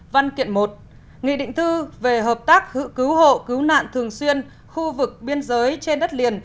văn kiện một nghị định thư về hợp tác hữu cứu hộ cứu nạn thường xuyên khu vực biên giới trên đất liền